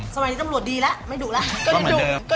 สมัยนี้ตำรวจดีแล้วไม่ดุแล้ว